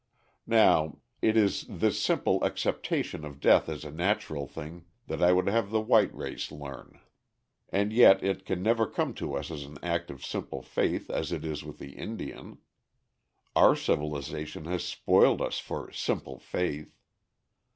Now, it is this simple acceptation of death as a natural thing that I would have the white race learn. And yet it can never come to us as an act of simple faith as it is with the Indian. Our civilization has spoiled us for "simple faith."